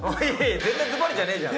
全然ズバリじゃないじゃん。